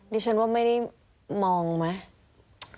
ดิฉันว่าไม่ได้มองไหม